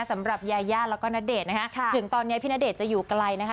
สำหรับยายาแล้วก็ณเดชน์นะคะถึงตอนนี้พี่ณเดชน์จะอยู่ไกลนะคะ